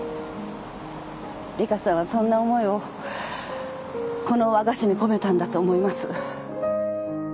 里香さんはそんな思いをこの和菓子に込めたんだと思います。